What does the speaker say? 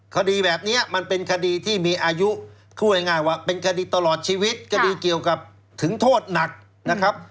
คดีแบบนี้มันเป็นคดีที่มีอายุพูดง่ายว่าเป็นคดีตลอดชีวิตคดีเกี่ยวกับถึงโทษหนักนะครับ